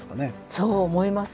そう思います。